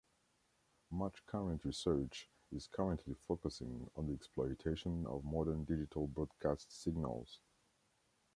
Much current research is currently focusing on the exploitation of modern digital broadcast signals.